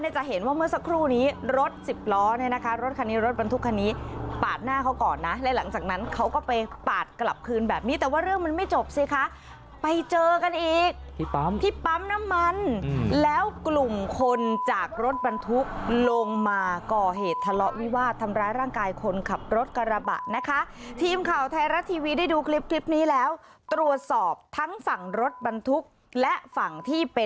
ร้อนให้นะคะรถคันนี้รถบรรทุกคันนี้ปาดหน้าเขาก่อนนะและหลังจากนั้นเขาก็ไปปาดกลับคืนแบบนี้แต่ว่าเรื่องมันไม่จบสิคะไปเจอกันอีกที่ปั๊มน้ำมันแล้วกลุ่มคนจากรถบรรทุกลงมาก่อเหตุทะเลาะวิวาดทำร้ายร่างกายคนขับรถกระระบะนะคะทีมข่าวไทยรัดทีวีได้ดูคลิปนี้แล้วตรวจสอบทั้งฝั่งรถบรรทุกและฝั่ง